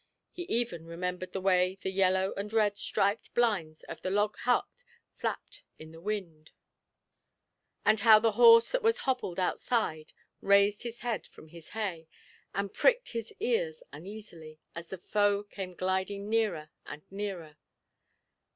He even remembered the way the yellow and red striped blinds of the log hut flapped in the wind, and how the horse that was hobbled outside raised his head from his hay, and pricked his ears uneasily, as the foe came gliding nearer and nearer.